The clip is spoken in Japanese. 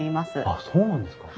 あっそうなんですか。